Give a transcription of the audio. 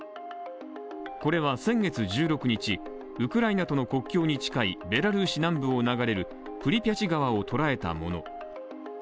これは先月１６日、ウクライナとの国境に近いベラルーシ南部を流れるプリピャチ川を捉えたもの。